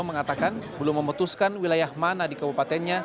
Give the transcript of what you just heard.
mengatakan belum memutuskan wilayah mana di kabupatennya